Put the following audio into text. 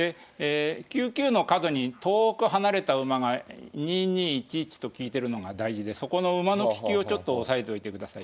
９九の角に遠く離れた馬が２二１一と利いてるのが大事でそこの馬の利きをちょっと押さえといてください。